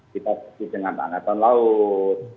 kita sebut dengan angkatan laut